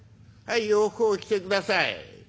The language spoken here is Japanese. はい洋服を着てください。